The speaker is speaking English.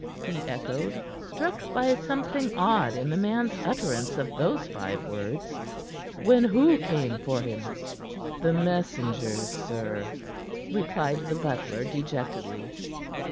he echoed, struck by something odd in the man's utterance of those five words. "When who came for him?" "The messengers, sir," replied the butler dejectedly.